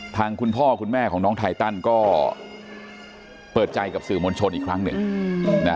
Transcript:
คุณพ่อคุณแม่ของน้องไทตันก็เปิดใจกับสื่อมวลชนอีกครั้งหนึ่ง